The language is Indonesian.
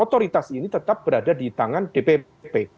otoritas ini tetap berada di tangan dpp